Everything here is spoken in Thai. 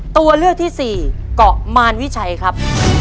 ตัวเลือกที่สี่เกาะมารวิชัยครับ